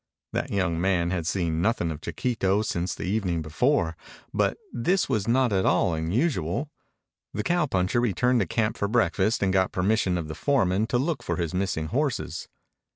That young man had seen nothing of Chiquito since the evening before, but this was not at all unusual. The cowpuncher returned to camp for breakfast and got permission of the foreman to look for the missing horses.